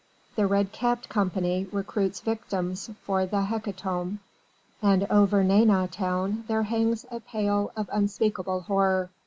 The red capped Company recruits victims for the hecatomb, and over Nantes Town there hangs a pall of unspeakable horror.